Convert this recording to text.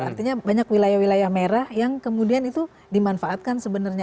artinya banyak wilayah wilayah merah yang kemudian itu dimanfaatkan sebenarnya